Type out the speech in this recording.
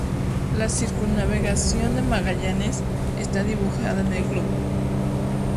La circunnavegación de Magallanes está dibujada en el globo.